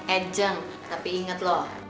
eh jeng tapi inget loh